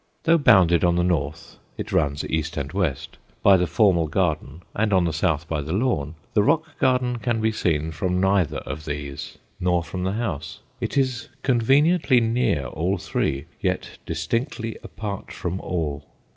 Though bounded on the north it runs east and west by the formal garden and on the south by the lawn, the rock garden can be seen from neither of these, nor from the house. It is conveniently near all three, yet distinctly apart from all.